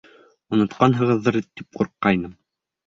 Онотҡанһығыҙҙыр тип ҡурҡҡайным.